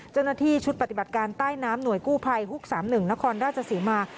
เจ้าหน้าที่ชุดปฏิบัติการใต้น้ำหน่วยกู้ภัยฮุก๓๑นครราชศรีมา